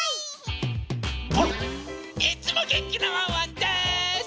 わっ！いつもげんきなワンワンです！